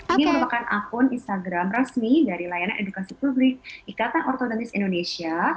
ini merupakan akun instagram resmi dari layanan edukasi publik ikatan ortonomis indonesia